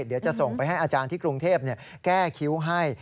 เดี๋ยวจะส่งไปให้อาจารย์ที่กรุงเทพแก้คิ้วให้